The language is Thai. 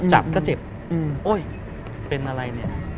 จับก็เจ็บโอ๊ยเป็นอะไรเนี่ย